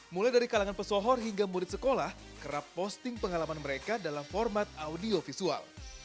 mulai dari kalangan pesohor hingga murid sekolah kerap posting pengalaman mereka dalam format audio visual